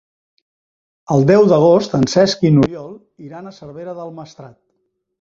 El deu d'agost en Cesc i n'Oriol iran a Cervera del Maestrat.